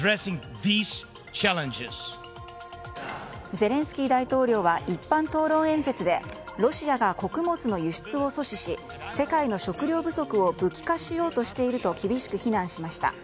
ゼレンスキー大統領は一般討論演説でロシアが穀物の輸出を阻止し世界の食糧不足を武器化しようとしていると厳しく非難しました。